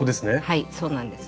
はいそうなんです。